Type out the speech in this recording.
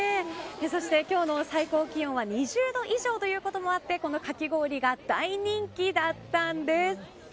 そして、今日の最高気温は２０度以上ということもあってかき氷が大人気だったんです。